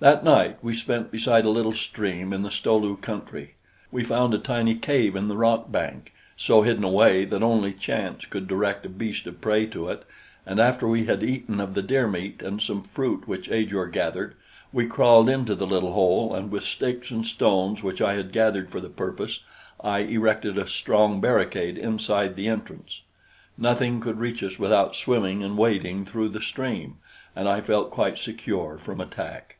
That night we spent beside a little stream in the Sto lu country. We found a tiny cave in the rock bank, so hidden away that only chance could direct a beast of prey to it, and after we had eaten of the deer meat and some fruit which Ajor gathered, we crawled into the little hole, and with sticks and stones which I had gathered for the purpose I erected a strong barricade inside the entrance. Nothing could reach us without swimming and wading through the stream, and I felt quite secure from attack.